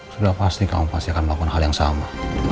sudah pasti kamu pasti akan melakukan hal yang sama